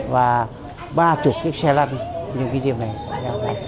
và ba mươi cái xe lăn như cái diệp này